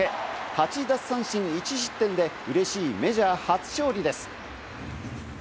初奪三振１失点で嬉しいメジャー初勝利です。